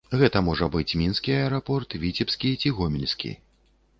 Гэта можа быць мінскі аэрапорт, віцебскі ці гомельскі.